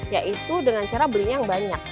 yaitu dengan cara belinya yang banyak